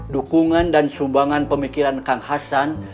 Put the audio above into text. dukungan dan sumbangan pemikiran kang hasan